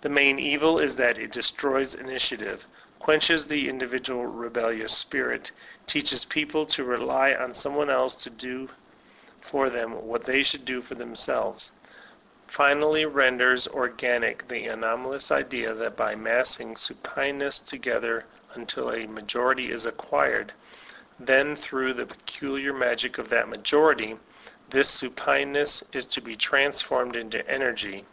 The main evil is that it destroys initiative, quenches the individual re bellious spirit, teaches people to rely on some one else to do for them what they should do for themselves, what they alone can do for themselves; finally renders offfanic the anomalous idea that by massing supineness together until a majority is acquired, then, through the peculiar magic of that majority, this supineness is to be trantformed into energy.